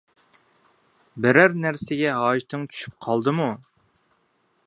بىرەر نەرسىگە ھاجىتىڭ چۈشۈپ قالدىمۇ؟